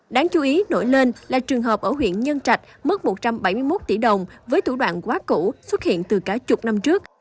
đáng chú ý nổi lên là trường hợp ở huyện nhân trạch mất một trăm bảy mươi một tỷ đồng với thủ đoạn quá cũ xuất hiện từ cả chục năm trước